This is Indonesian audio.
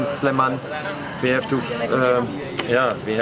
musim dan maksa